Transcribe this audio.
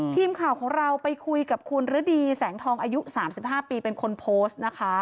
ทีมข่าวของเราไปคุยกับคุณฤดีแสงทองอายุ๓๕ปีเป็นคนโพสต์นะคะ